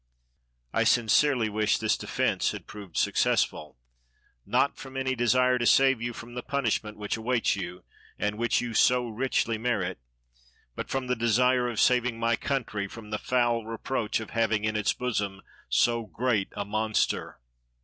I sincerely wish this defence had proved successful, not from any desire to save you from the punishment which awaits you, and which you so richly merit, but from the desire of saving my country from the foul reproach of having in its bosom so great a monster.